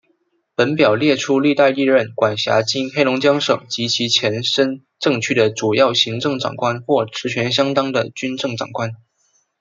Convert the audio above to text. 本表列出历代历任管辖今黑龙江省及其前身政区的主要行政长官或职权相当的军政长官。